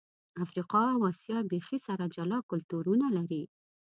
افریقا او آسیا بیخي سره جلا کلتورونه لري.